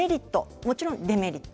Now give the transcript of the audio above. もちろんデメリット。